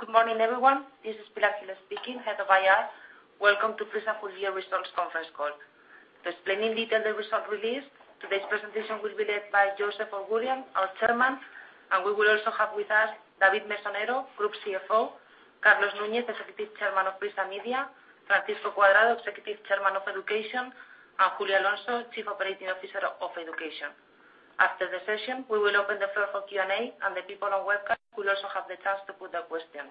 Good morning, everyone. This is Pilar Gil speaking, Head of IR. Welcome to Prisa full year results conference call. To explain in detail the result release, today's presentation will be led by Joseph Oughourlian, our Chairman, and we will also have with us David Mesonero, Group CFO, Carlos Núñez, Executive Chairman of Prisa Media, Francisco Cuadrado, Executive Chairman of Education, and Julio Alonso, Chief Operating Officer of Education. After the session, we will open the floor for Q&A, and the people on webcast will also have the chance to put their questions.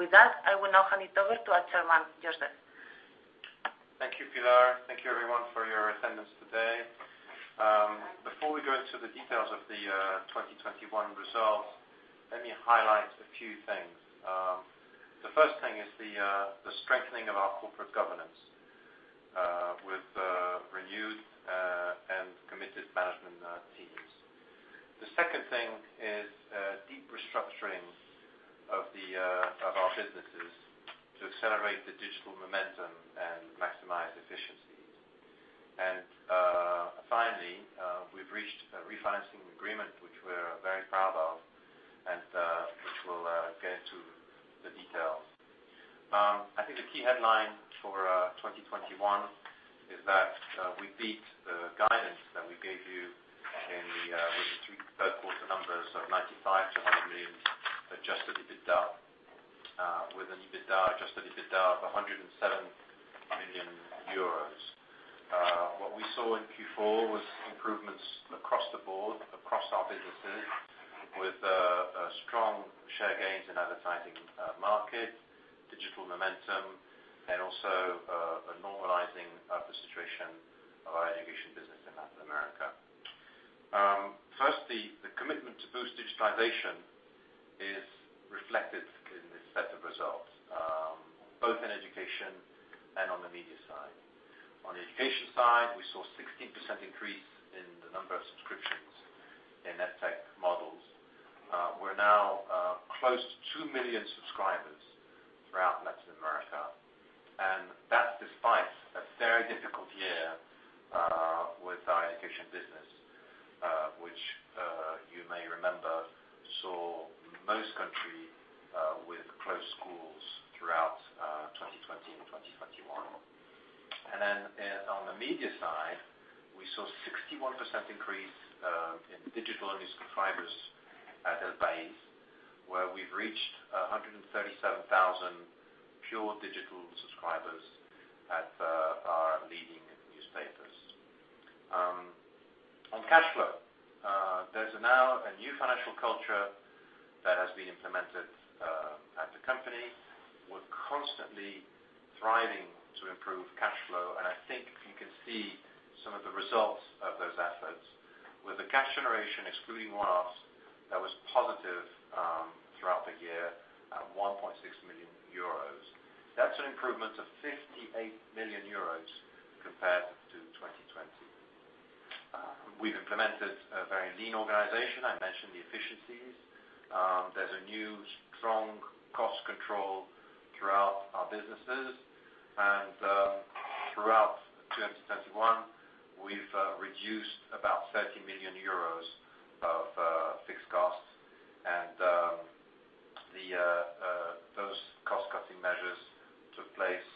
With that, I will now hand it over to our Chairman, Joseph. Thank you, Pilar. Thank you everyone for your attendance today. Before we go into the details of the 2021 results, let me highlight a few things. The first thing is the strengthening of our corporate governance with renewed and committed management teams. The second thing is deep restructuring of our businesses to accelerate the digital momentum and maximize efficiencies. Finally, we've reached a refinancing agreement, which we're very proud of, and which we'll get into the details. I think the key headline for 2021 is that we beat the guidance that we gave you with the third quarter numbers of 95-100 million adjusted EBITDA with an adjusted EBITDA of 107 million euros. What we saw in Q4 was improvements across the board, across our businesses, with a strong share gains in advertising market, digital momentum, and also a normalizing of the situation of our education business in Latin America. Firstly, the commitment to boost digitization is reflected in this set of results, both in education and on the media side. On the education side, we saw 16% increase in the number of subscriptions in EdTech models. We're now close to 2 million subscribers throughout Latin America, and that despite a very difficult year with our education business, which you may remember, saw most countries with closed schools throughout 2020 and 2021. On the media side, we saw 61% increase in digital news subscribers at El País, where we've reached 137,000 pure digital subscribers at our leading newspapers. On cash flow, there's now a new financial culture that has been implemented at the company. We're constantly striving to improve cash flow, and I think you can see some of the results of those efforts with the cash generation, excluding one-offs, that was positive throughout the year at 1.6 million euros. That's an improvement of 58 million euros compared to 2020. We've implemented a very lean organization. I mentioned the efficiencies. There's a new strong cost control throughout our businesses. Throughout 2021, we've reduced about EUR 30 million of fixed costs. Those cost-cutting measures took place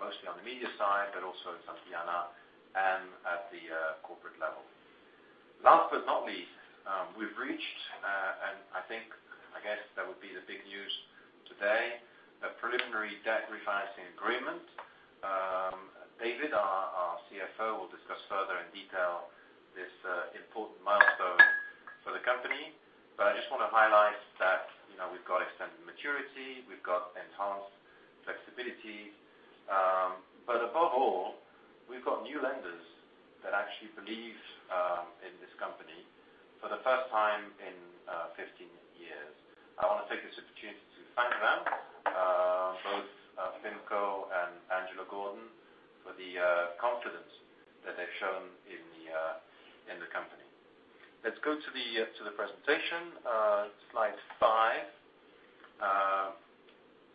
mostly on the media side, but also in Santillana and at the corporate level. Last but not least, we've reached and I think I guess that would be the big news today, a preliminary debt refinancing agreement. David, our CFO, will discuss further in detail this important milestone for the company. I just wanna highlight that, you know, we've got extended maturity, we've got enhanced flexibility. Above all, we've got new lenders that actually believe in this company for the first time in 15 years. I wanna take this opportunity to thank them both, PIMCO and Angelo Gordon for the confidence that they've shown in the company. Let's go to the presentation, slide five,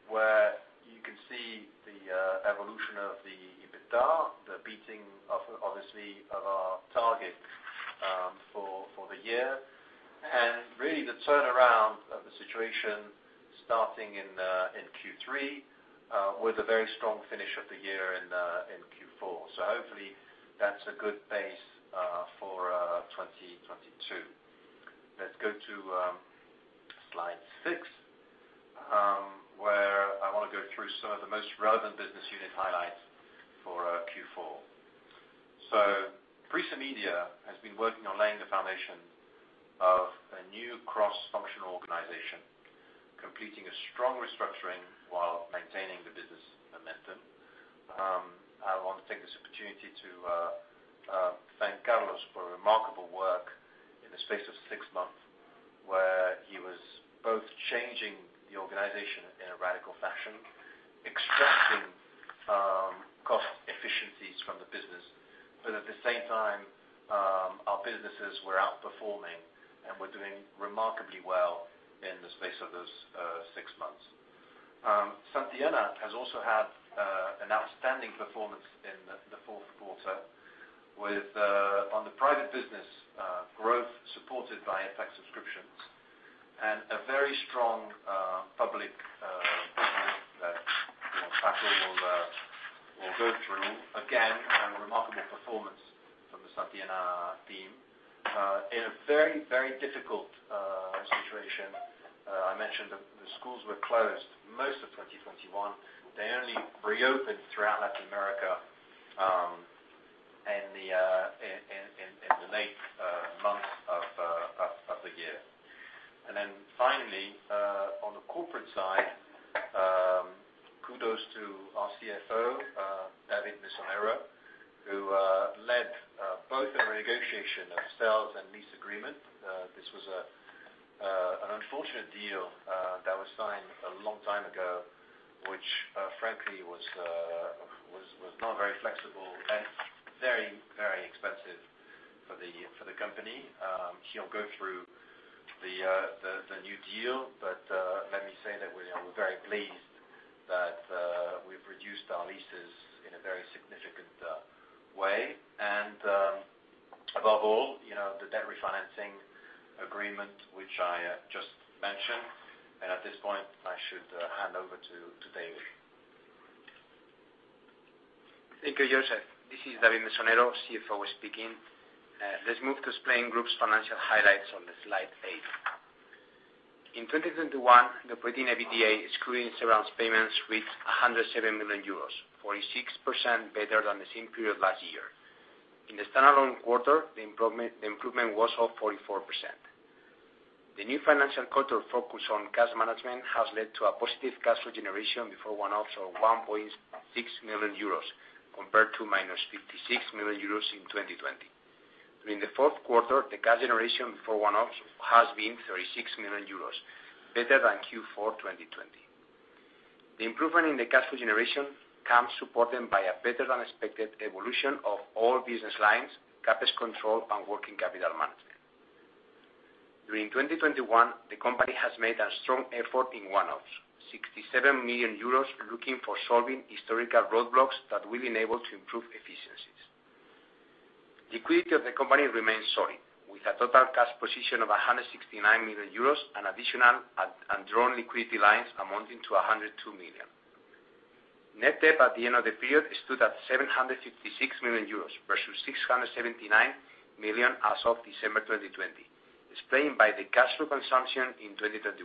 where you can see the evolution of the EBITDA, the beating of obviously our target, for the year. Really the turnaround of the situation starting in Q3, with a very strong finish of the year in Q4. Hopefully that's a good base, for 2022. Let's go to slide six, where I wanna go through some of the most relevant business unit highlights for Q4. Prisa Media has been working on laying the foundation of a new cross-functional organization, completing a strong restructuring while maintaining the business momentum. I want to take this opportunity to thank Carlos Núñez for remarkable work in the space of six months, where he was both changing the organization in a radical fashion, extracting cost efficiencies from the business, but at the same time, our businesses were outperforming and were doing remarkably well in the space of those six months. Santillana has also had an outstanding performance in the fourth quarter with on the private business growth supported by EdTech subscriptions and a very strong public that you know Paco will go through. Again, a remarkable performance from the Santillana team in a very very difficult situation. I mentioned the schools were closed most of 2021. They only reopened throughout Latin America in the late months of the year. Finally, on the corporate side, kudos to our CFO, David Mesonero, who led both the renegotiation of sales and lease agreement. This was an unfortunate deal that was signed a long time ago, which frankly was not very flexible and very expensive for the company. He'll go through the new deal, but let me say that we're very pleased that we've reduced our leases in a very significant way. Above all, you know, the debt refinancing agreement, which I just mentioned. At this point, I should hand over to David. Thank you, Joseph. This is David Mesonero, CFO speaking. Let's move to explain group's financial highlights on the slide eight. In 2021, the operating EBITDA excluding severance payments reached 107 million euros, 46% better than the same period last year. In the standalone quarter, the improvement was of 44%. The new financial quarter focus on cash management has led to a positive cash flow generation before one-offs of 1.6 million euros, compared to -56 million euros in 2020. During the fourth quarter, the cash generation before one-offs has been 36 million euros, better than Q4 2020. The improvement in the cash flow generation comes supported by a better-than-expected evolution of all business lines, CapEx control, and working capital management. During 2021, the company has made a strong effort in one-offs, 67 million euros looking for solving historical roadblocks that will enable to improve efficiencies. Liquidity of the company remains solid, with a total cash position of 169 million euros and additional undrawn liquidity lines amounting to 102 million. Net debt at the end of the period stood at 756 million euros versus 679 million as of December 2020, explained by the cash flow consumption in 2021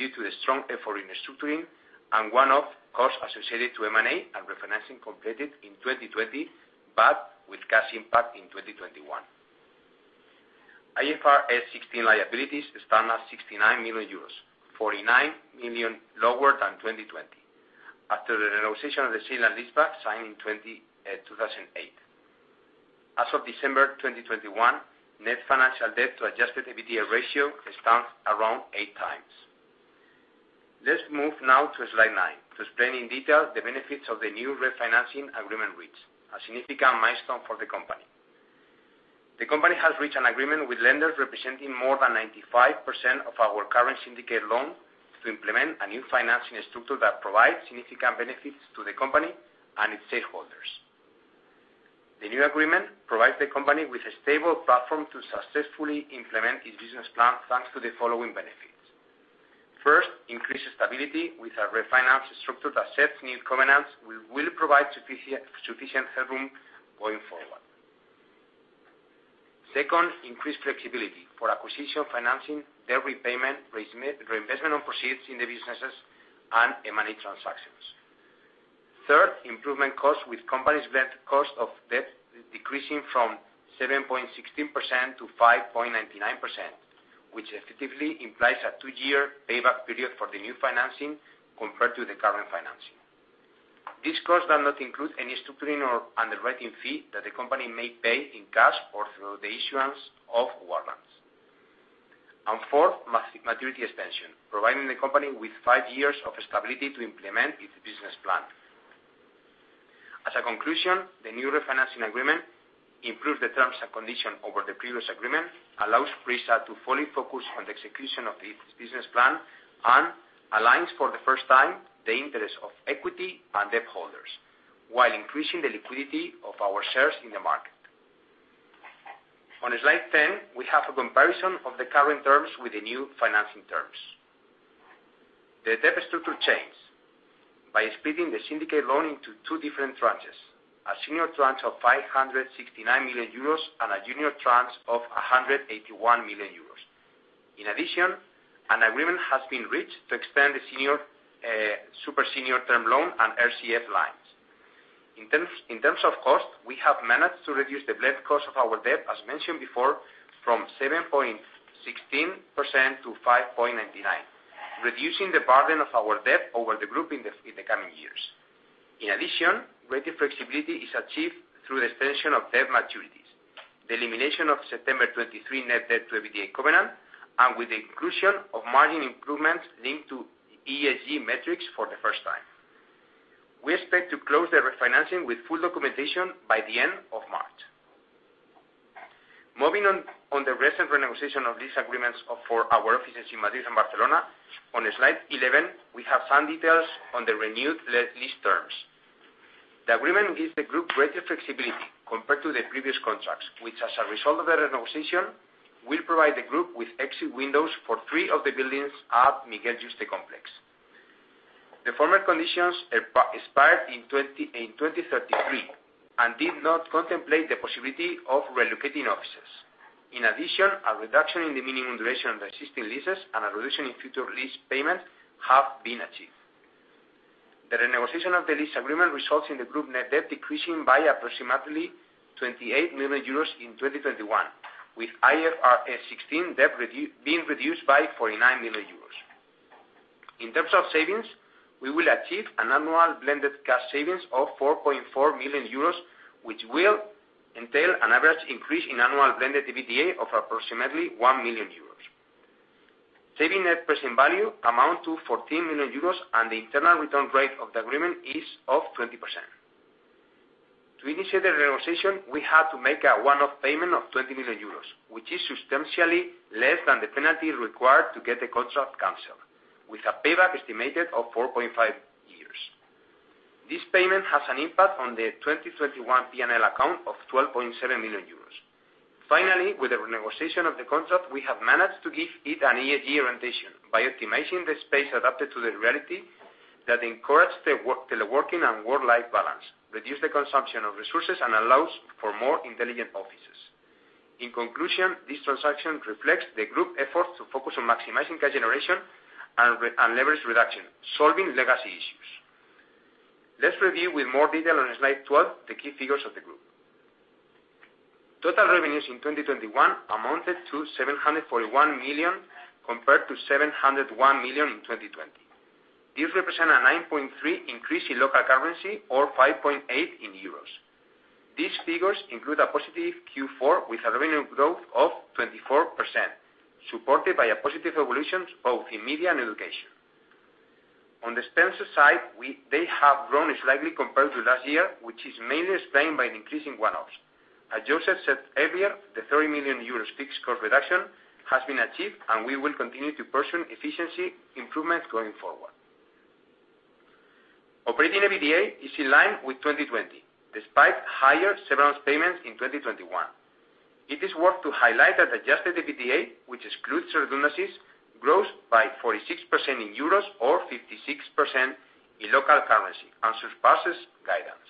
due to the strong effort in restructuring and one-off costs associated to M&A and refinancing completed in 2020, but with cash impact in 2021. IFRS 16 liabilities stand at 69 million euros, 49 million lower than 2020 after the renegotiation of the sale and leaseback signed in 2008. As of December 2021, net financial debt to adjusted EBITDA ratio stands around 8x. Let's move now to slide nine to explain in detail the benefits of the new refinancing agreement reached, a significant milestone for the company. The company has reached an agreement with lenders representing more than 95% of our current syndicate loan to implement a new financing structure that provides significant benefits to the company and its stakeholders. The new agreement provides the company with a stable platform to successfully implement its business plan, thanks to the following benefits. First, increased stability with a refinance structure that sets new covenants. We will provide sufficient headroom going forward. Second, increased flexibility for acquisition, financing, debt repayment, reinvestment of proceeds in the businesses, and M&A transactions. Third, the improvement in the cost of the company's debt, with the cost of debt decreasing from 7.16%-5.99%, which effectively implies a two-year payback period for the new financing compared to the current financing. These costs do not include any structuring or underwriting fee that the company may pay in cash or through the issuance of warrants. Fourth, maturity extension, providing the company with five years of stability to implement its business plan. As a conclusion, the new refinancing agreement improves the terms and conditions over the previous agreement, allows Prisa to fully focus on the execution of the business plan, and aligns for the first time the interests of equity and debt holders while increasing the liquidity of our shares in the market. On slide 10, we have a comparison of the current terms with the new financing terms. The debt structure changed by splitting the syndicate loan into two different tranches, a senior tranche of 569 million euros and a junior tranche of 181 million euros. In addition, an agreement has been reached to extend the senior super senior term loan and RCF lines. In terms of cost, we have managed to reduce the blend cost of our debt, as mentioned before, from 7.16%-5.99%, reducing the burden of our debt over the group in the coming years. In addition, greater flexibility is achieved through the extension of debt maturities, the elimination of September 2023 net debt to EBITDA covenant, and with the inclusion of margin improvements linked to ESG metrics for the first time. We expect to close the refinancing with full documentation by the end of March. Moving on the recent renegotiation of these agreements for our offices in Madrid and Barcelona, on slide 11, we have some details on the renewed lease terms. The agreement gives the group greater flexibility compared to the previous contracts, which as a result of the renegotiation, will provide the group with exit windows for three of the buildings at Miguel Yuste complex. The former conditions expired in 2033, and did not contemplate the possibility of relocating offices. In addition, a reduction in the minimum duration of existing leases and a reduction in future lease payments have been achieved. The renegotiation of the lease agreement results in the group net debt decreasing by approximately 28 million euros in 2021, with IFRS 16 debt being reduced by 49 million euros. In terms of savings, we will achieve an annual blended cash savings of 4.4 million euros, which will entail an average increase in annual blended EBITDA of approximately 1 million euros. Savings net present value amounts to 14 million euros, and the internal rate of return of the agreement is 20%. To initiate the renegotiation, we had to make a one-off payment of 20 million euros, which is substantially less than the penalty required to get the contract canceled, with a payback estimated of 4.5 years. This payment has an impact on the 2021 P&L account of 12.7 million euros. Finally, with the renegotiation of the contract, we have managed to give it an ESG orientation by optimizing the space adapted to the reality that encourage teleworking and work-life balance, reduce the consumption of resources, and allows for more intelligent offices. In conclusion, this transaction reflects the group effort to focus on maximizing cash generation and leverage reduction, solving legacy issues. Let's review with more detail on slide 12 the key figures of the group. Total revenues in 2021 amounted to 741 million, compared to 701 million in 2020. These represent a 9.3% increase in local currency or 5.8% in euros. These figures include a positive Q4 with a revenue growth of 24%, supported by a positive evolution both in media and education. On the expenses side, they have grown slightly compared to last year, which is mainly explained by an increase in one-offs. As Joseph said earlier, the 30 million euros fixed cost reduction has been achieved, and we will continue to pursue efficiency improvements going forward. Operating EBITDA is in line with 2020, despite higher severance payments in 2021. It is worth to highlight that adjusted EBITDA, which excludes redundancies, grows by 46% in euros or 56% in local currency, and surpasses guidance.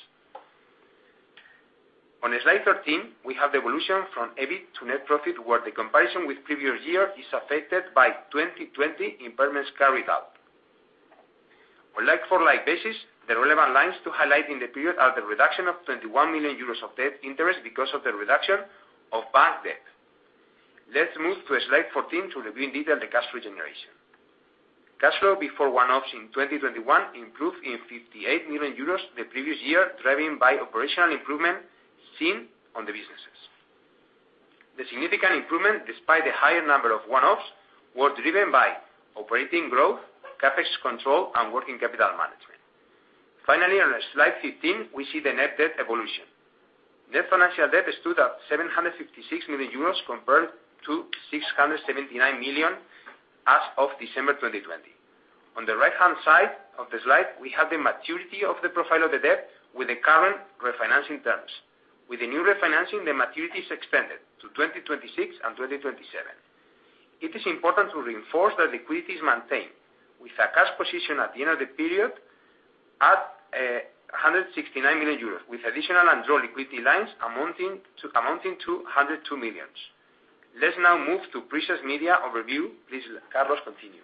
On slide 13, we have the evolution from EBIT to net profit, where the comparison with previous year is affected by 2020 impairments carried out. On like-for-like basis, the relevant lines to highlight in the period are the reduction of 21 million euros of debt interest because of the reduction of bank debt. Let's move to slide 14 to review in detail the cash flow generation. Cash flow before one-offs in 2021 improved by 58 million euros the previous year, driven by operational improvement seen in the businesses. The significant improvement, despite the higher number of one-offs, were driven by operating growth, CapEx control, and working capital management. Finally, on slide 15, we see the net debt evolution. Net financial debt stood at 756 million euros compared to 679 million as of December 2020. On the right-hand side of the slide, we have the maturity of the profile of the debt with the current refinancing terms. With the new refinancing, the maturity is extended to 2026 and 2027. It is important to reinforce that liquidity is maintained with a cash position at the end of the period at 169 million euros, with additional undrawn liquidity lines amounting to 102 million. Let's now move to Prisa's media overview. Please, Carlos, continue.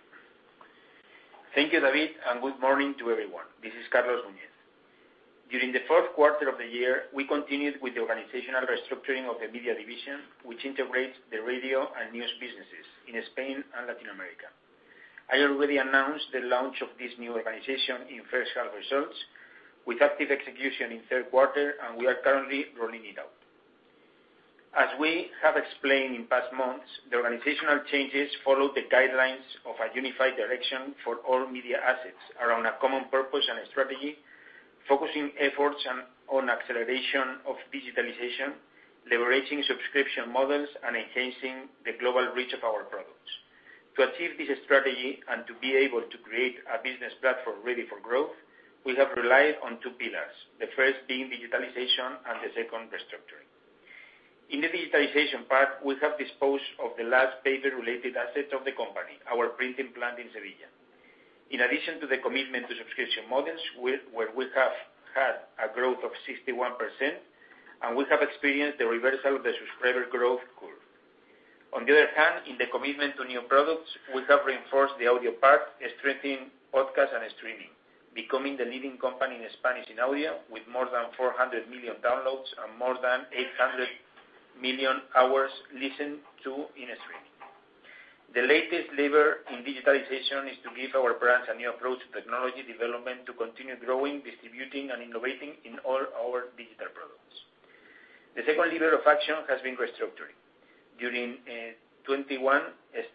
Thank you, David, and good morning to everyone. This is Carlos Núñez. During the fourth quarter of the year, we continued with the organizational restructuring of the media division, which integrates the radio and news businesses in Spain and Latin America. I already announced the launch of this new organization in first half results with active execution in third quarter, and we are currently rolling it out. As we have explained in past months, the organizational changes follow the guidelines of a unified direction for all media assets around a common purpose and a strategy, focusing efforts on acceleration of digitalization, leveraging subscription models, and enhancing the global reach of our products. To achieve this strategy and to be able to create a business platform ready for growth, we have relied on two pillars, the first being digitalization and the second restructuring. In the digitalization part, we have disposed of the last paper-related assets of the company, our printing plant in Sevilla. In addition to the commitment to subscription models, where we have had a growth of 61%, and we have experienced the reversal of the subscriber growth curve. On the other hand, in the commitment to new products, we have reinforced the audio part, strengthening podcast and streaming, becoming the leading company in Spanish in audio with more than 400 million downloads and more than 800 million hours listened to in a stream. The latest lever in digitalization is to give our brands a new approach to technology development to continue growing, distributing, and innovating in all our digital products. The second lever of action has been restructuring. 21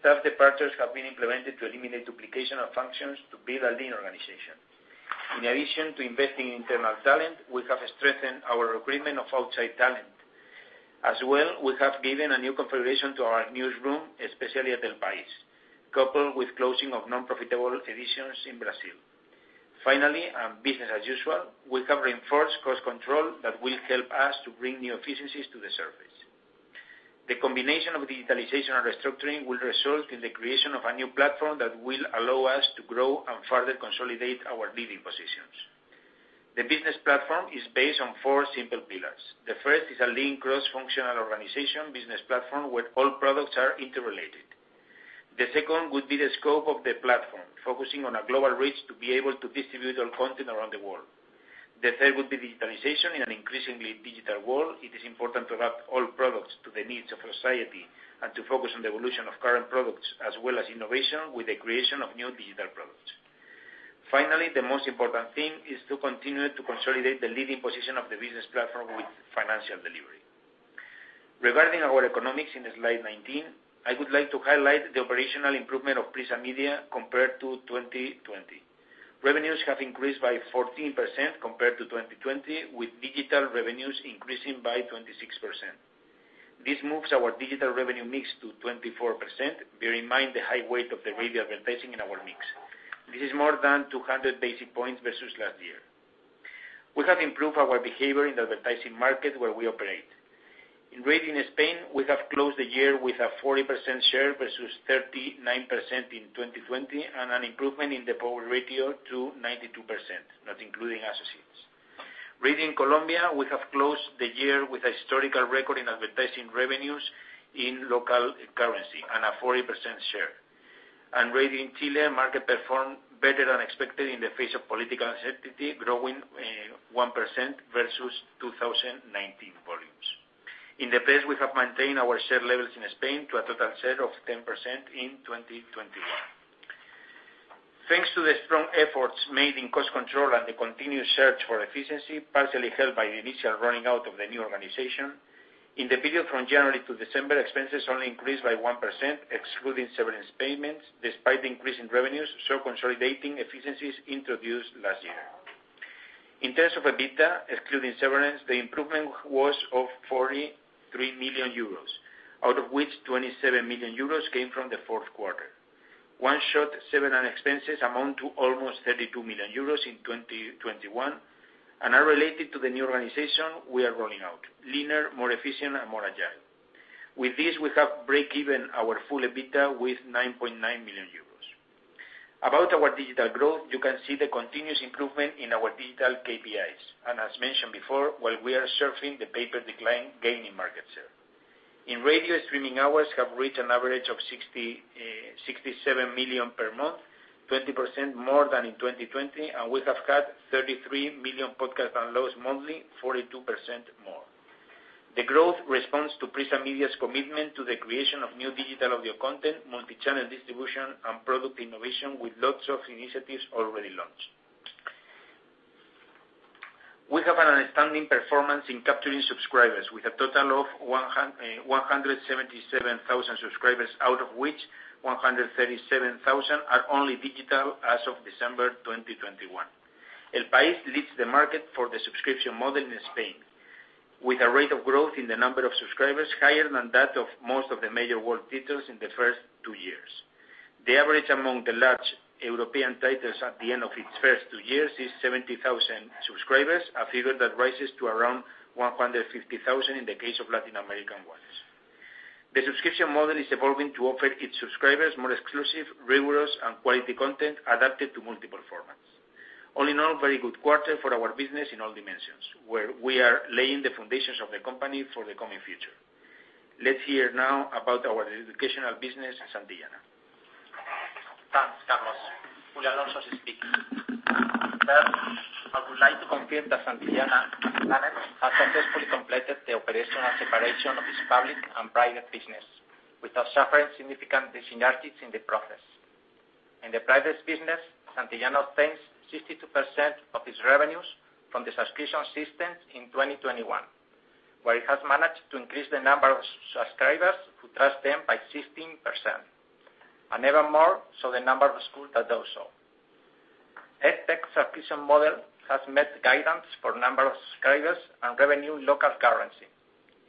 staff departures have been implemented to eliminate duplication of functions to build a lean organization. In addition to investing in internal talent, we have strengthened our recruitment of outside talent. As well, we have given a new configuration to our newsroom, especially at El País, coupled with closing of non-profitable editions in Brazil. Finally, and business as usual, we have reinforced cost control that will help us to bring new efficiencies to the surface. The combination of digitalization and restructuring will result in the creation of a new platform that will allow us to grow and further consolidate our leading positions. The business platform is based on four simple pillars. The first is a lean, cross-functional organization business platform where all products are interrelated. The second would be the scope of the platform, focusing on a global reach to be able to distribute our content around the world. The third would be digitalization. In an increasingly digital world, it is important to adapt all products to the needs of our society and to focus on the evolution of current products as well as innovation with the creation of new digital products. Finally, the most important thing is to continue to consolidate the leading position of the business platform with financial delivery. Regarding our economics in slide 19, I would like to highlight the operational improvement of Prisa Media compared to 2020. Revenues have increased by 14% compared to 2020, with digital revenues increasing by 26%. This moves our digital revenue mix to 24%, bearing in mind the high weight of the radio advertising in our mix. This is more than 200 basis points versus last year. We have improved our behavior in the advertising market where we operate. In radio in Spain, we have closed the year with a 40% share versus 39% in 2020, and an improvement in the power ratio to 92%, not including associates. Radio in Colombia, we have closed the year with a historical record in advertising revenues in local currency and a 40% share. Radio in Chile, market performed better than expected in the face of political uncertainty, growing 1% versus 2019 volumes. In the press, we have maintained our share levels in Spain to a total share of 10% in 2021. Thanks to the strong efforts made in cost control and the continued search for efficiency, partially helped by the initial running of the new organization, in the period from January to December, expenses only increased by 1%, excluding severance payments, despite the increase in revenues, so consolidating efficiencies introduced last year. In terms of EBITDA, excluding severance, the improvement was of 43 million euros, out of which 27 million euros came from the fourth quarter. One-shot severance expenses amount to almost 32 million euros in 2021 and are related to the new organization we are rolling out, leaner, more efficient, and more agile. With this, we have broken even on our full EBITDA with 9.9 million euros. About our digital growth, you can see the continuous improvement in our digital KPIs. As mentioned before, while we are surfing the paper decline, gaining market share. In radio, streaming hours have reached an average of 67 million per month, 20% more than in 2020, and we have had 33 million podcast downloads monthly, 42% more. The growth responds to Prisa Media's commitment to the creation of new digital audio content, multichannel distribution, and product innovation, with lots of initiatives already launched. We have an outstanding performance in capturing subscribers, with a total of 177,000 subscribers, out of which 137,000 are only digital as of December 2021. El País leads the market for the subscription model in Spain, with a rate of growth in the number of subscribers higher than that of most of the major world titles in the first two years. The average among the large European titles at the end of its first two years is 70,000 subscribers, a figure that rises to around 150,000 in the case of Latin American ones. The subscription model is evolving to offer its subscribers more exclusive, rigorous, and quality content adapted to multiple formats. All in all, very good quarter for our business in all dimensions, where we are laying the foundations of the company for the coming future. Let's hear now about our educational business, Santillana. Thanks, Carlos. Julio Alonso speaking. First, I would like to confirm that Santillana Planet has successfully completed the operational separation of its public and private business without suffering significant synergies in the process. In the private business, Santillana obtains 62% of its revenues from the subscription systems in 2021, where it has managed to increase the number of subscribers who trust them by 16%, and even more so the number of schools that do so. EdTech subscription model has met guidance for number of subscribers and revenue in local currency.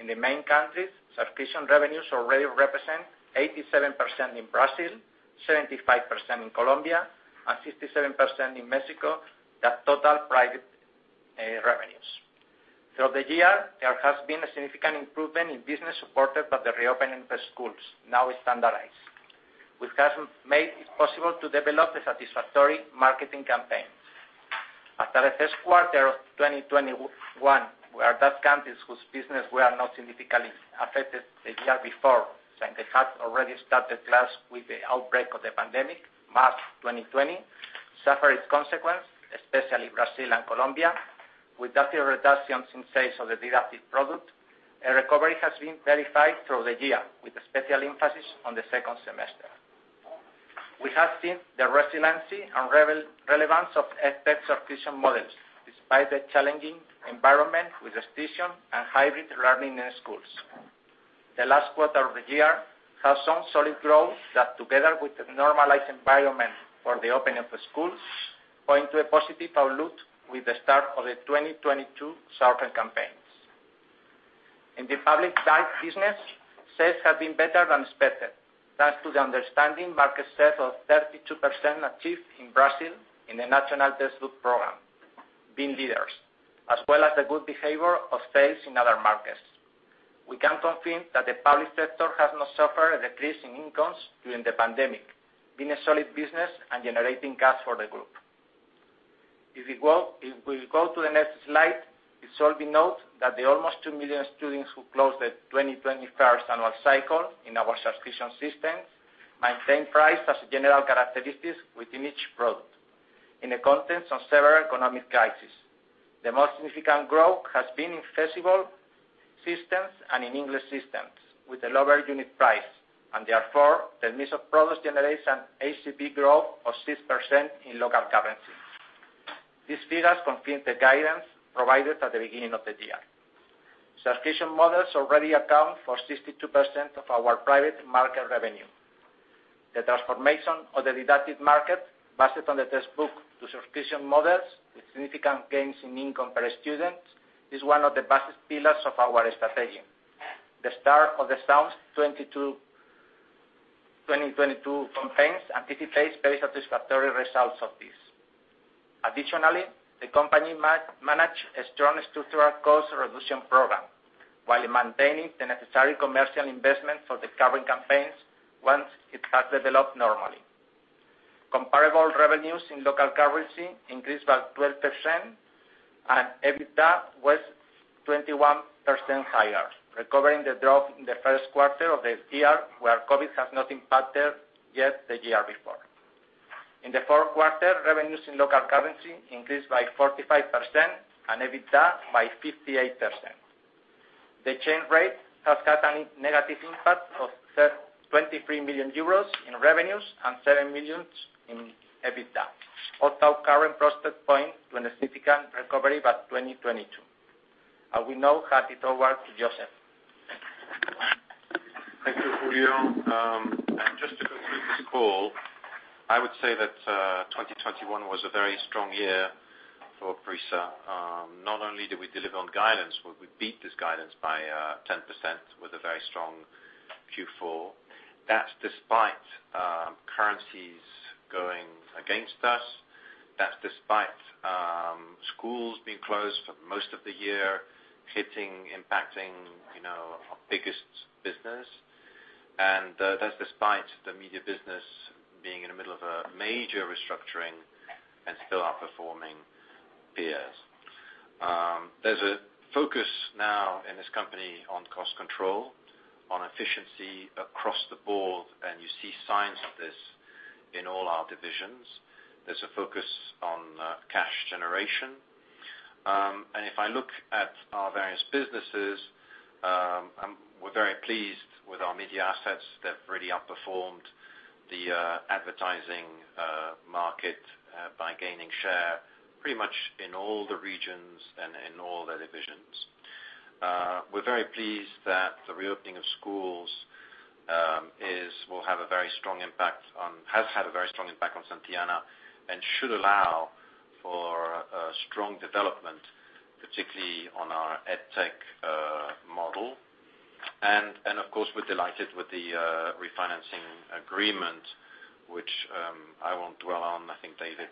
In the main countries, subscription revenues already represent 87% in Brazil, 75% in Colombia, and 57% in Mexico, that total private revenues. Throughout the year, there has been a significant improvement in business supported by the reopening of schools, now standardized, which has made it possible to develop the satisfactory marketing campaigns. After the first quarter of 2021, where those countries whose business were not significantly affected the year before, since they had already started classes with the outbreak of the pandemic, March 2020, suffered its consequences, especially Brazil and Colombia, with those reductions in sales of the didactic product, a recovery has been verified through the year, with a special emphasis on the second semester. We have seen the resiliency and relevance of EdTech subscription models despite the challenging environment with distance and hybrid learning in schools. The last quarter of the year has shown solid growth that, together with the normalized environment for the opening of the schools, points to a positive outlook with the start of the 2022 circuit campaigns. In the public sector business, sales have been better than expected. Thanks to the outstanding market share of 32% achieved in Brazil in the national textbook program, being leaders, as well as the good behavior of sales in other markets. We can confirm that the public sector has not suffered a decrease in incomes during the pandemic, being a solid business and generating cash for the group. If we go to the next slide, it's worth noting that the almost 2 million students who closed the 2021 annual cycle in our subscription systems maintain price as a general characteristic within each product. In the context of several economic crises, the most significant growth has been in festival systems and in English systems with a lower unit price, and therefore, the mix of products generates an ACP growth of 6% in local currency. These figures confirm the guidance provided at the beginning of the year. Subscription models already account for 62% of our didactic market revenue. The transformation of the didactic market based on the textbook to subscription models with significant gains in income per student is one of the best pillars of our strategy. The start of the 2022 sales campaigns anticipates very satisfactory results of this. Additionally, the company manages a strong structural cost reduction program while maintaining the necessary commercial investment for the current campaigns once it has developed normally. Comparable revenues in local currency increased by 12% and EBITDA was 21% higher, recovering the drop in the first quarter of the year where COVID has not impacted yet the year before. In the fourth quarter, revenues in local currency increased by 45% and EBITDA by 58%. The chain rate has had a negative impact of 23 million euros in revenues and 7 million in EBITDA. Current prospects point to a significant recovery by 2022. I will now hand it over to Joseph. Thank you, Julio. Just to conclude this call, I would say that 2021 was a very strong year for Prisa. Not only did we deliver on guidance, but we beat this guidance by 10% with a very strong Q4. That's despite currencies going against us. That's despite schools being closed for most of the year, hitting, impacting, you know, our biggest business. That's despite the media business being in the middle of a major restructuring and still outperforming peers. There's a focus now in this company on cost control, on efficiency across the board, and you see signs of this in all our divisions. There's a focus on cash generation. If I look at our various businesses, we're very pleased with our media assets. They've really outperformed the advertising market by gaining share pretty much in all the regions and in all the divisions. We're very pleased that the reopening of schools has had a very strong impact on Santillana and should allow for a strong development, particularly on our EdTech model. Of course, we're delighted with the refinancing agreement, which I won't dwell on. I think David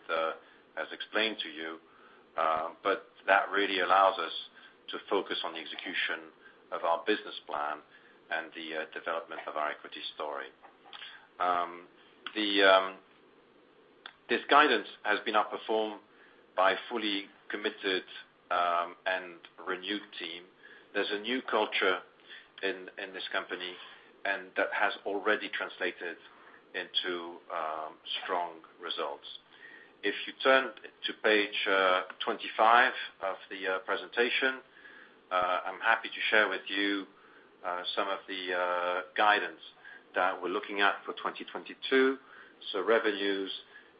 has explained to you. That really allows us to focus on the execution of our business plan and the development of our equity story. This guidance has been outperformed by a fully committed and renewed team. There's a new culture in this company, and that has already translated into strong results. If you turn to page 25 of the presentation, I'm happy to share with you some of the guidance that we're looking at for 2022. Revenues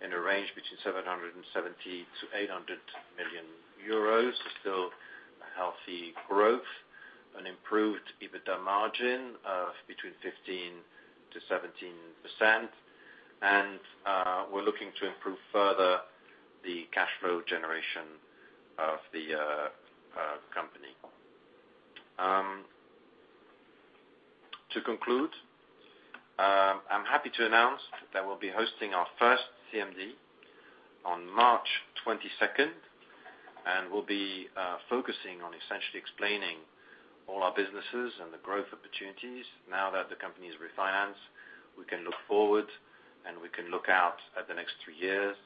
in a range between 770 million-800 million euros, still a healthy growth, an improved EBITDA margin of 15%-17%. We're looking to improve further the cash flow generation of the company. To conclude, I'm happy to announce that we'll be hosting our first CMD on March 22, and we'll be focusing on essentially explaining all our businesses and the growth opportunities. Now that the company is refinanced, we can look forward, and we can look out at the next three years.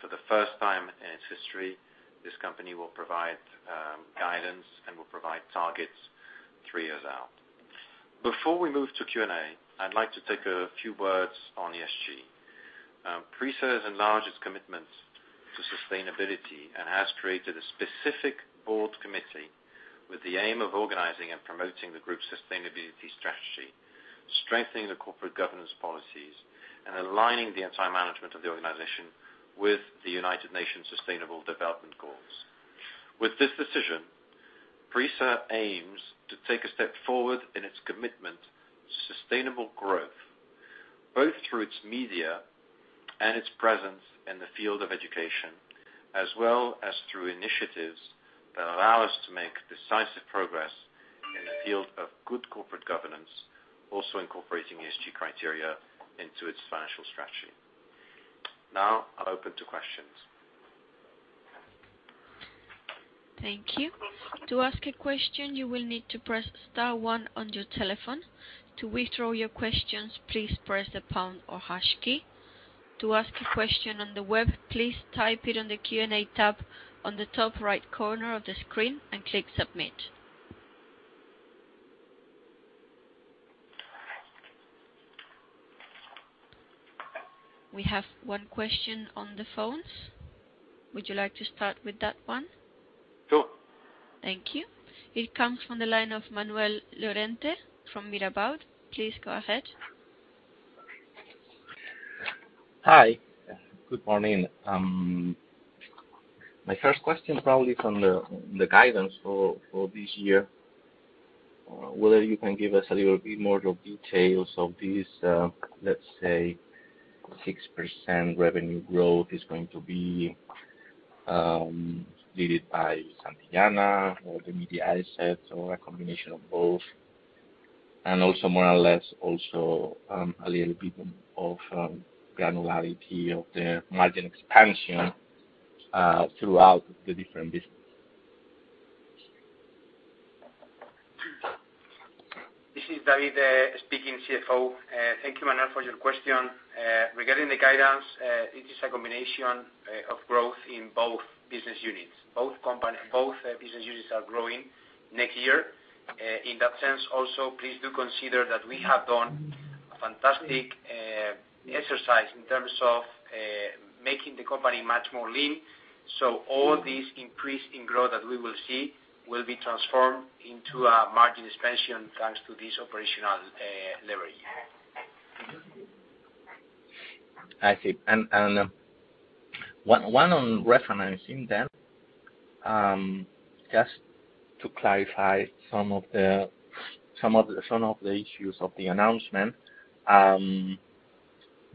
For the first time in its history, this company will provide guidance and will provide targets three years out. Before we move to Q&A, I'd like to take a few words on ESG. Prisa has enlarged its commitment to sustainability and has created a specific board committee with the aim of organizing and promoting the group's sustainability strategy, strengthening the corporate governance policies, and aligning the entire management of the organization with the United Nations Sustainable Development Goals. With this decision, Prisa aims to take a step forward in its commitment to sustainable growth, both through its media and its presence in the field of education, as well as through initiatives that allow us to make decisive progress in the field of good corporate governance, also incorporating ESG criteria into its financial strategy. Now, I'm open to questions. Thank you. To ask a question, you will need to press star one on your telephone. To withdraw your questions, please press the pound or hash key. To ask a question on the web, please type it in the Q&A tab on the top right corner of the screen and click submit. We have one question on the phones. Would you like to start with that one? Sure. Thank you. It comes from the line of Manuel Lorente from Mirabaud. Please go ahead. Hi. Good morning. My first question probably from the guidance for this year whether you can give us a little bit more details of this let's say 6% revenue growth is going to be led by Santillana or the media assets or a combination of both, and also more or less also a little bit of granularity of the margin expansion throughout the different business. This is David speaking, CFO. Thank you, Manuel for your question. Regarding the guidance, it is a combination of growth in both business units. Both business units are growing next year. In that sense also, please do consider that we have done a fantastic exercise in terms of making the company much more lean. All this increase in growth that we will see will be transformed into a margin expansion, thanks to this operational leverage. I see. One on referencing, then, just to clarify some of the issues of the announcement.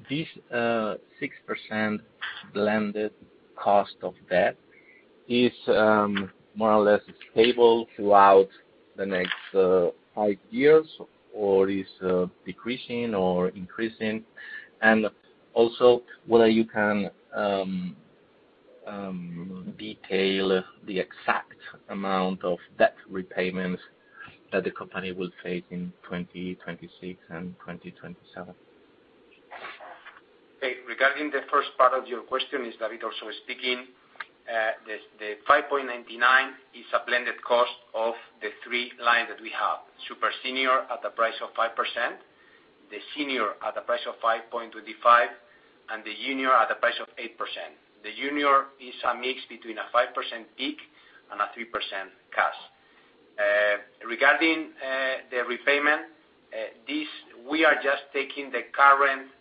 This 6% blended cost of debt is more or less stable throughout the next five years or is decreasing or increasing? Also whether you can detail the exact amount of debt repayments that the company will face in 2026 and 2027. Regarding the first part of your question, it's David Mesonero also speaking. The 5.99 is a blended cost of the three lines that we have. Super senior at the price of 5%, the senior at the price of 5.25%, and the junior at the price of 8%. The junior is a mix between a 5% PIK and a 3% cash. Regarding the repayment, this, we are just taking the current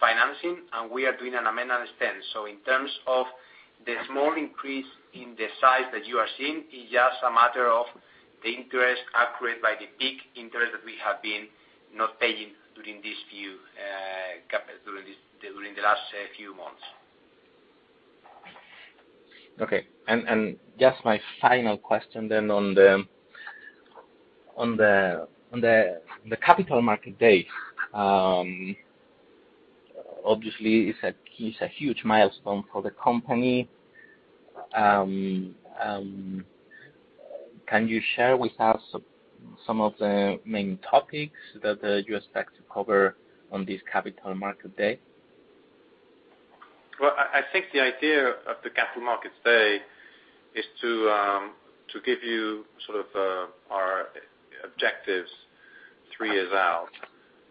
financing, and we are doing an amend and extend. In terms of the small increase in the size that you are seeing, it's just a matter of the interest accrued on the PIK interest that we have been not paying during the last few months. Okay. Just my final question then on the Capital Markets Day. Obviously, it's a huge milestone for the company. Can you share with us some of the main topics that you expect to cover on this Capital Markets Day? Well, I think the idea of the Capital Markets Date is to give you sort of our objectives three years out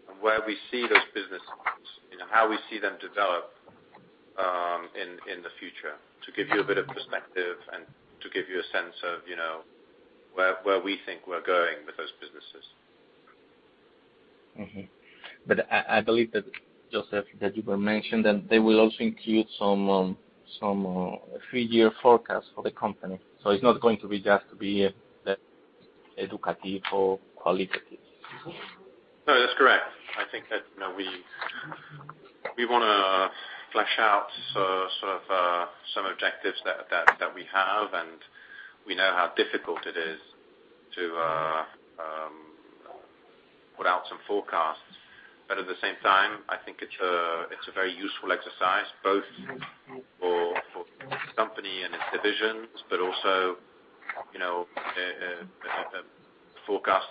and where we see those business lines and how we see them develop in the future, to give you a bit of perspective and to give you a sense of, you know, where we think we're going with those businesses. I believe that Joseph that you were mentioned and they will also include some three-year forecast for the company. It's not going to be just educative or qualitative. No, that's correct. I think that, you know, we wanna flesh out sort of some objectives that we have, and we know how difficult it is to put out some forecasts. At the same time, I think it's a very useful exercise, both for the company and its divisions, but also, you know, a forecast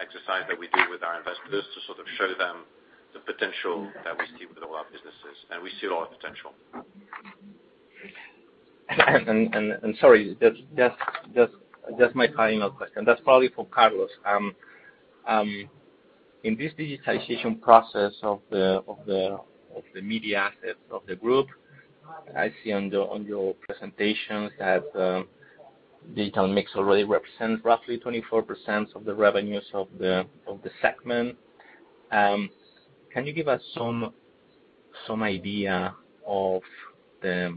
exercise that we do with our investors to sort of show them the potential that we see with all our businesses, and we see a lot of potential. Sorry, just my final question. That's probably for Carlos. In this digitalization process of the media assets of the group, I see on your presentations that digital mix already represents roughly 24% of the revenues of the segment. Can you give us some Some idea of the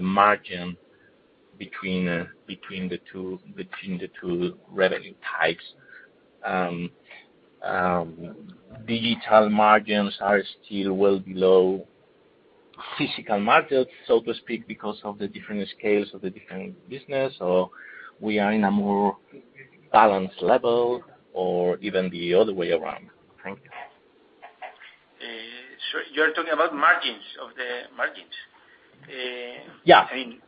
margin between the two revenue types. Digital margins are still well below physical margins, so to speak, because of the different scales of the different business. We are in a more balanced level or even the other way around. Thank you. You're talking about margins, of the margins? Yeah. I mean,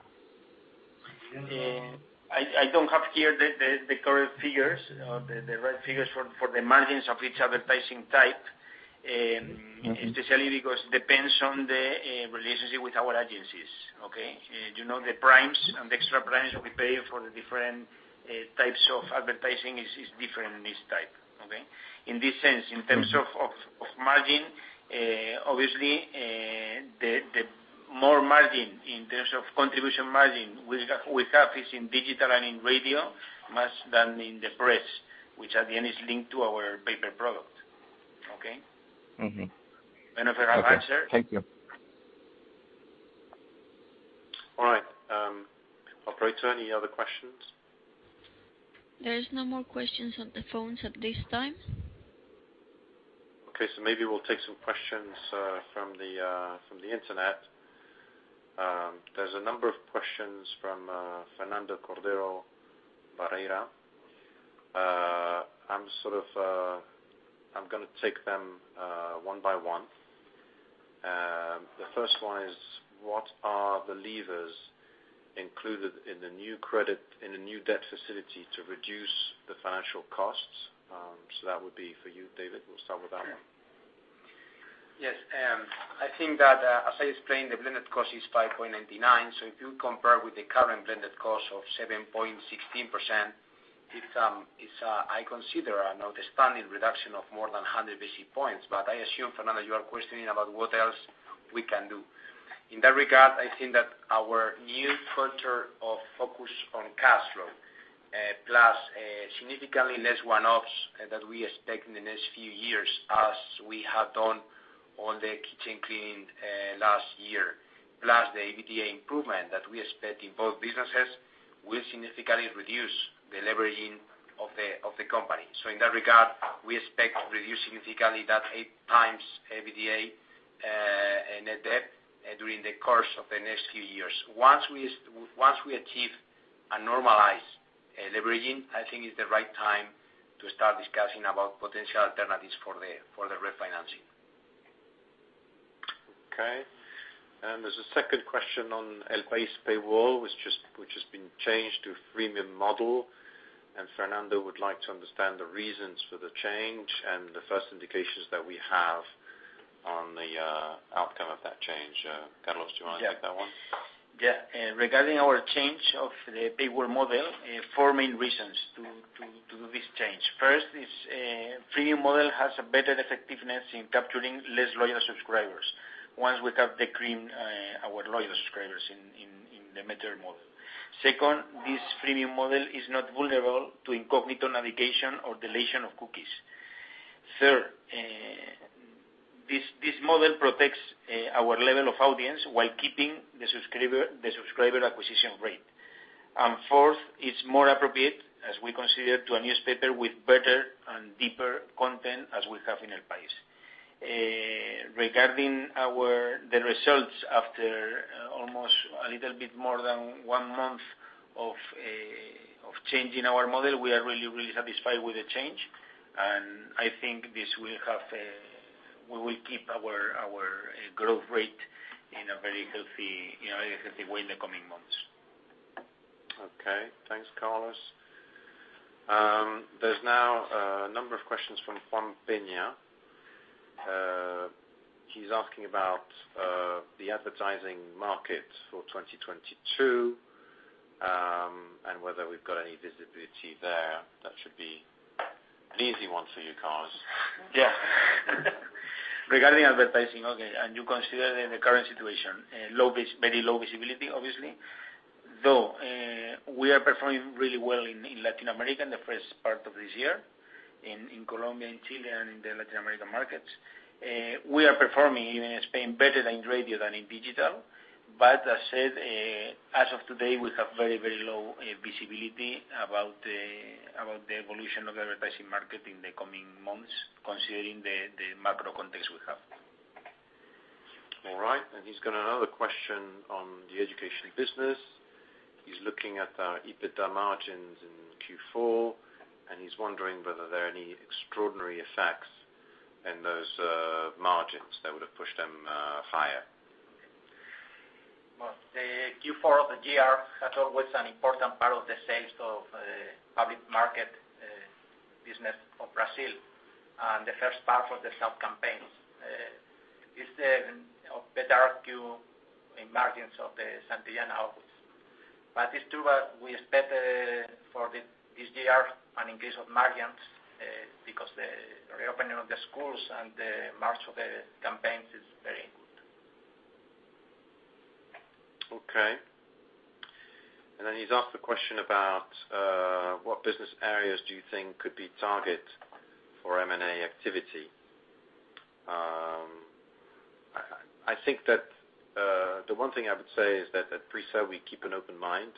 I don't have here the current figures or the right figures for the margins of each advertising type. Especially because depends on the relationship with our agencies. Okay? You know, the primes and the extra primes we pay for the different types of advertising is different in this type. Okay? In this sense, in terms of margin, obviously, the more margin in terms of contribution margin we have is in digital and in radio much than in the press, which at the end is linked to our paper product. Okay? Mm-hmm. Any other answer? Okay. Thank you. All right. Operator, any other questions? There is no more questions on the phones at this time. Okay. Maybe we'll take some questions from the internet. There's a number of questions from Fernando Cordero Barreira. I'm gonna take them one by one. The first one is, what are the levers included in the new credit, in the new debt facility to reduce the financial costs? That would be for you, David. We'll start with that one. Sure. Yes. I think that as I explained, the blended cost is 5.99%. If you compare with the current blended cost of 7.16%, I consider an outstanding reduction of more than 100 basis points. I assume, Fernando, you are questioning about what else we can do. In that regard, I think that our new culture of focus on cash flow plus significantly less one-offs that we expect in the next few years, as we have done all the cleaning last year. Plus the EBITDA improvement that we expect in both businesses will significantly reduce the leveraging of the company. In that regard, we expect to reduce significantly that 8x EBITDA net debt during the course of the next few years. Once we achieve a normalized leverage, I think it's the right time to start discussing about potential alternatives for the refinancing. Okay. There's a second question on El País paywall, which has been changed to a freemium model. Fernando would like to understand the reasons for the change and the first indications that we have on the outcome of that change. Carlos, do you want to take that one? Yeah. Yeah. Regarding our change of the paywall model, four main reasons to this change. First is, freemium model has a better effectiveness in capturing less loyal subscribers once we have the cream of our loyal subscribers in the metered model. Second, this freemium model is not vulnerable to incognito navigation or deletion of cookies. Third, this model protects our level of audience while keeping the subscriber acquisition rate. Fourth, it is more appropriate as we consider to a newspaper with better and deeper content as we have in El País. Regarding the results after almost a little bit more than one month of changing our model, we are really satisfied with the change. I think this will we will keep our growth rate in a very healthy way in the coming months. Okay. Thanks, Carlos. There's now a number of questions from Juan Peña. He's asking about the advertising market for 2022, and whether we've got any visibility there. That should be an easy one for you, Carlos. Yeah. Regarding advertising, okay, and you consider in the current situation, very low visibility, obviously. Though, we are performing really well in Latin America in the first part of this year, in Colombia and Chile and the Latin American markets. We are performing in Spain better in radio than in digital. But as I said, as of today, we have very low visibility about the evolution of advertising market in the coming months, considering the macro context we have. All right. He's got another question on the education business. He's looking at EBITDA margins in Q4, and he's wondering whether there are any extraordinary effects in those margins that would have pushed them higher. Well, the Q4 of the year has always an important part of the sales of public market business of Brazil, and the first part of the sub campaigns is the better Q in margins of the Santillana outputs. It's true, we expect for this year an increase of margins because the reopening of the schools and the march of the campaigns is very- Okay. Then he's asked the question about what business areas do you think could be targets for M&A activity? I think that the one thing I would say is that at Prisa, we keep an open mind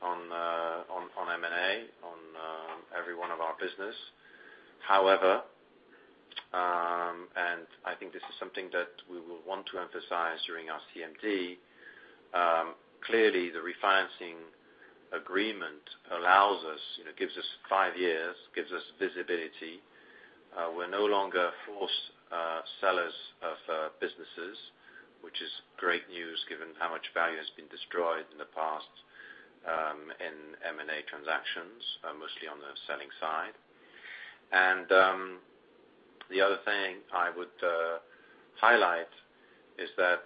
on M&A, on every one of our businesses. However, I think this is something that we will want to emphasize during our CMD. Clearly the refinancing agreement allows us, you know, gives us five years, gives us visibility. We're no longer forced sellers of businesses, which is great news given how much value has been destroyed in the past in M&A transactions, mostly on the selling side. The other thing I would highlight is that,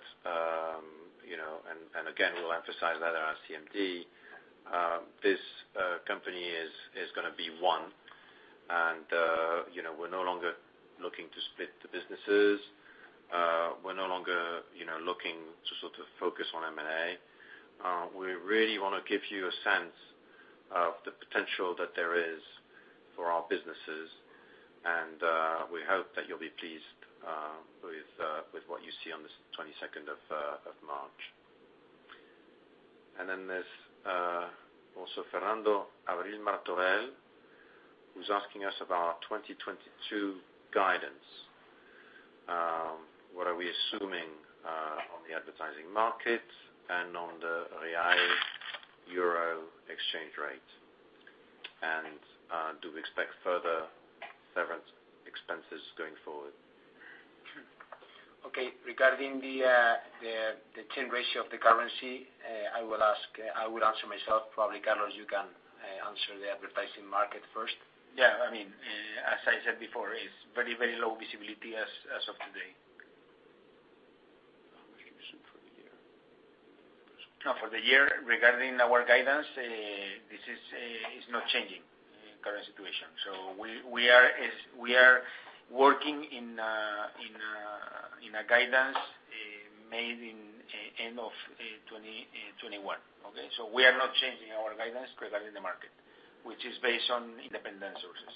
you know, and again, we'll emphasize that in our CMD, this company is gonna be one. You know, we're no longer looking to split the businesses. We're no longer, you know, looking to sort of focus on M&A. We really wanna give you a sense of the potential that there is for our businesses, and we hope that you'll be pleased with what you see on the 22nd of March. There's also Fernando Abril-Martorell, who's asking us about 2022 guidance. What are we assuming on the advertising market and on the real euro exchange rate? Do we expect further severance expenses going forward? Okay. Regarding the exchange rate of the currency, I will answer myself. Probably, Carlos, you can answer the advertising market first. Yeah. I mean, as I said before, it's very, very low visibility as of today. I think it's for the year. No, for the year, regarding our guidance, this is not changing in current situation. We are working in a guidance made in end of 2021, okay? We are not changing our guidance regarding the market, which is based on independent sources.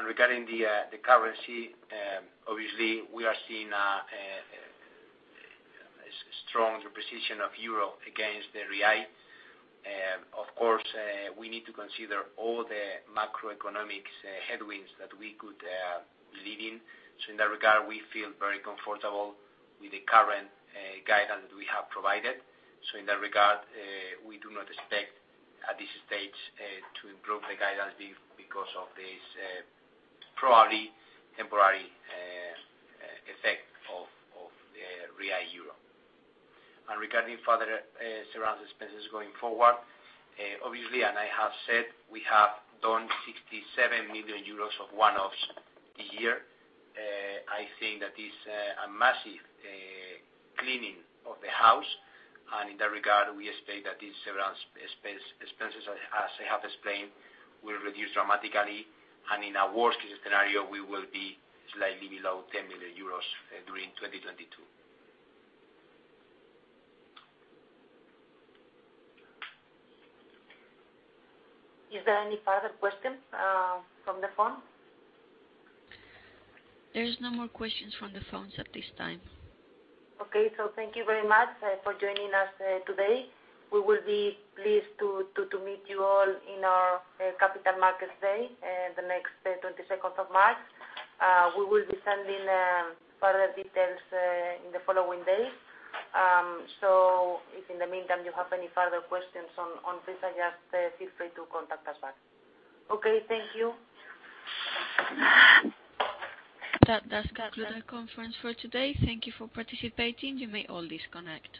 Regarding the currency, obviously, we are seeing a strong reposition of euro against the real. Of course, we need to consider all the macroeconomic headwinds that we could face. In that regard, we feel very comfortable with the current guidance we have provided. In that regard, we do not expect at this stage to improve the guidance because of this probably temporary effect of the real/euro. Regarding further severance expenses going forward, obviously, as I have said we have done 67 million euros of one-offs this year. I think that is a massive cleaning of the house, and in that regard, we expect that these severance expenses, as I have explained, will reduce dramatically. In a worst scenario, we will be slightly below 10 million euros during 2022. Is there any further questions from the phone? There's no more questions from the phones at this time. Okay. Thank you very much for joining us today. We will be pleased to meet you all in our capital markets day, the next 22nd of March. We will be sending further details in the following days. If in the meantime you have any further questions on Prisa, just feel free to contact us back. Okay, thank you. That does conclude our conference for today. Thank you for participating. You may all disconnect.